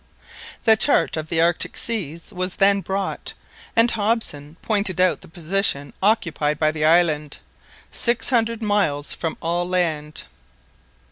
The chart of the Arctic seas was then brought, and Hobson pointed out the position occupied by the island—six hundred miles from all land.